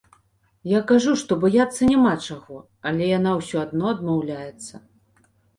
Я кажу, што баяцца няма чаго, але яна ўсё адно адмаўляецца.